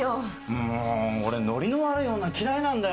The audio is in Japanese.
もう俺ノリの悪い女嫌いなんだよ。